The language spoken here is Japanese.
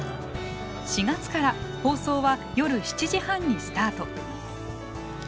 ４月から放送は夜７時半にスタート。